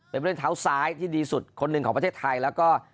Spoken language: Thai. เป็นผู้เล่นเท้าซ้ายที่ดีสุดคนหนึ่งของประเทศไทยแล้วก็